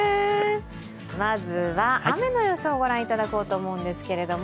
まずは雨の予想をご覧いただこうと思うんですけれども。